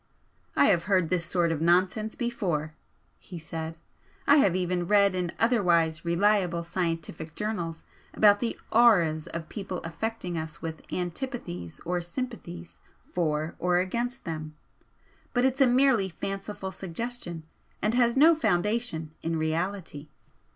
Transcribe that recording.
"I have heard this sort of nonsense before," he said "I have even read in otherwise reliable scientific journals about the 'auras' of people affecting us with antipathies or sympathies for or against them. But it's a merely fanciful suggestion and has no foundation in reality."